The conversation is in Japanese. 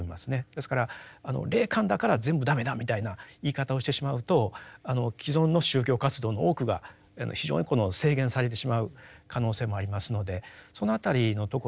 ですから霊感だから全部駄目だみたいな言い方をしてしまうと既存の宗教活動の多くが非常に制限されてしまう可能性もありますのでその辺りのところもですね